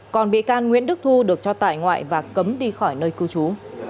còn bị can nguyễn đức thu được cho tại ngoại và cấm đi khỏi nơi cư trú